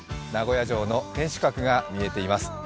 名古屋城の天守閣が見えています。